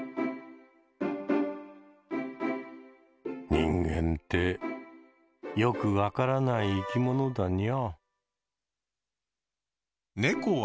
人間ってよく分からない生き物だにゃ。